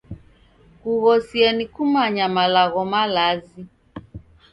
Kughosia ni kumanya malagho malazi.